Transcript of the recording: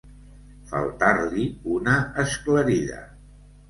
Faltar-li una esclarida.